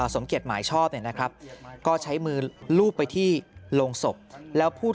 สมเกียจหมายชอบเนี่ยนะครับก็ใช้มือลูบไปที่โรงศพแล้วพูด